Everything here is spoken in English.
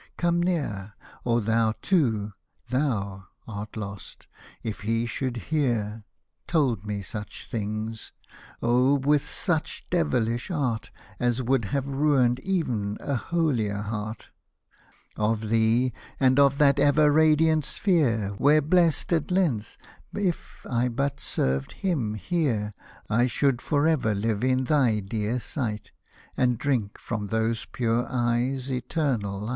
come near, Or thou too, thou art lost, if he should hear — Told me such things — oh ! with such devilish art, As would have ruined ev'n a holier heart — Of thee, and of that ever radiant sphere, Where blessed at length, if I but served hiin here, I should for ever live in thy dear sight, And drink from those pure eyes eternal light.